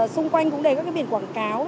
xung quanh cũng để các cái biển quảng cáo